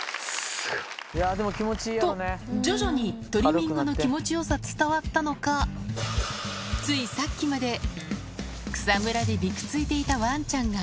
と、徐々にトリミングの気持ちよさ伝わったのか、ついさっきまで草むらでびくついていたわんちゃんが。